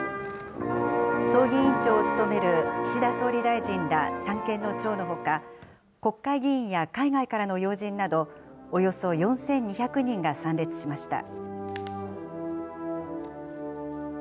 葬儀委員長を務める岸田総理大臣ら三権の長のほか、国会議員や海外からの要人など、およそ４２００人が参列しました。